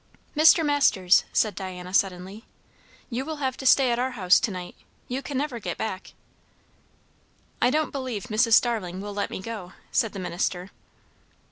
"Mr. Masters," said Diana suddenly, "you will have to stay at our house to night. You can never get back." "I don't believe Mrs. Starling will let me go," said the minister.